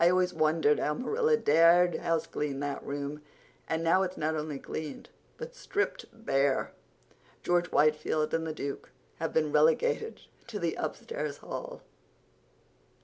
I always wondered how Marilla dared houseclean that room. And now it's not only cleaned but stripped bare. George Whitefield and the Duke have been relegated to the upstairs hall.